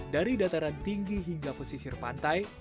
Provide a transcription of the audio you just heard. dari dataran tinggi hingga pesisir pantai